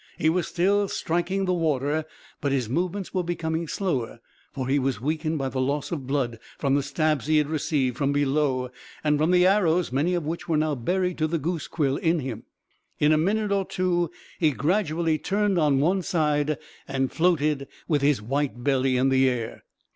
He was still striking the water, but his movements were becoming slower, for he was weakened by the loss of blood from the stabs he had received from below, and from the arrows, many of which were now buried to the goose quill in him. In a minute or two he gradually turned on one side, and floated, with his white belly in the air.